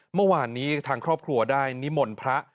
เมื่อวานนี้ทางครอบครัวได้นิมนต์พระ